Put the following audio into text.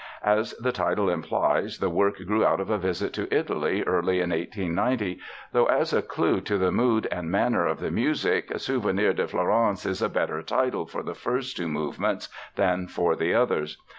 As the title implies, the work grew out of a visit to Italy early in 1890, though as a clew to the mood and manner of the music, Souvenir de Florence is a better title for the first two movements than for the others.